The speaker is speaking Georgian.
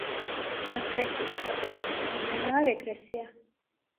ტრანსგრესიის საპირისპირო მოვლენაა რეგრესია.